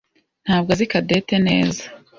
ntabwo azi Cadette neza.